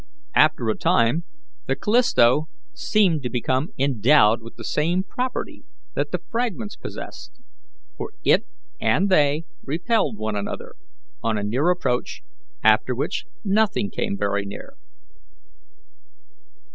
After a time the Callisto seemed to become endowed with the same property that the fragments possessed; for it and they repelled one another, on a near approach, after which nothing came very near.